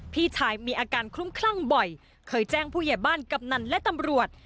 พี่ชายมีอาการคลุ้มคลั่งบ่อยเคยแจ้งผู้ใหญ่บ้านกำนันและตำรวจ